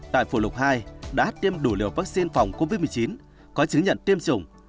tại phủ lục hai đã tiêm đủ liều vaccine phòng covid một mươi chín có chứng nhận tiêm chủng